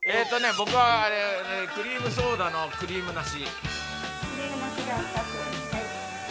僕はあれクリームソーダのクリームなし。